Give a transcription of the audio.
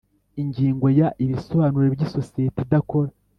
Ingingo ya Ibisobanuro by isosiyete idakora